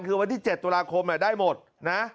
คือวันที่๗ตุลาคมได้หมดนะ